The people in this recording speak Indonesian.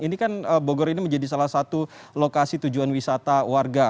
ini kan bogor ini menjadi salah satu lokasi tujuan wisata warga